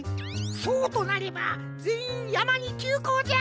そうとなればぜんいんやまにきゅうこうじゃ！